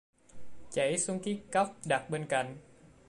Chảy xuống chiếc cốc đặt bên cạnh